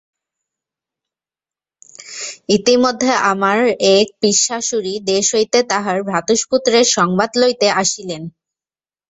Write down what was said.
ইতিমধ্যে আমার এক পিসশাশুড়ি দেশ হইতে তাঁহার ভ্রাতুষ্পুত্রের সংবাদ লইতে আসিলেন।